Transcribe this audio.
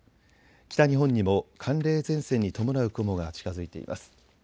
北日本にも寒冷前線に伴う雲が近づいています。